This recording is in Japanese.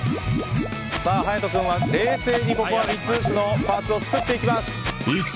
勇人君は冷静に、３つずつのパーツを作っていきます。